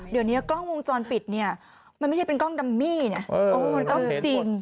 เดี๋ยวเนี่ยกล้องวงจรปิดมันไม่ใช่เป็นกล้องดัมมี่เนี่ย